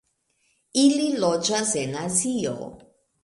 Ili loĝas en Azio.